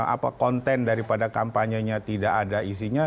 apa konten daripada kampanyenya tidak ada isinya